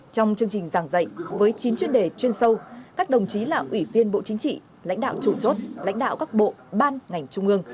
trong chương trình giảng dạy với chín chuyên đề chuyên sâu các đồng chí là ủy viên bộ chính trị lãnh đạo chủ chốt lãnh đạo các bộ ban ngành trung ương